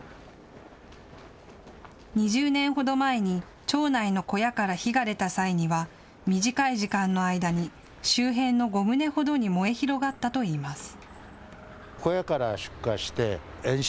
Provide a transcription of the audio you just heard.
２０年ほど前に町内の小屋から火が出た際には短い時間の間に周辺の５棟ほどに燃え広がったといいます。